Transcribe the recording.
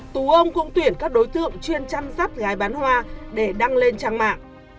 tù ông cũng tuyển các đối tượng chuyên chăm sát gái bán hoa để đăng lên trang mạng